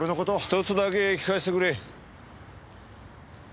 一つだけ聞かせてくれ。